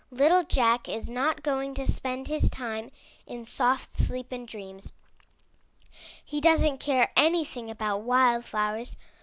Little Jack is not going to spend his time in soft sleep and dreams. He doesn't care anything about wild flowers.